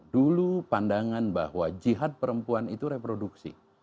dulu pandangan bahwa jihad perempuan itu reproduksi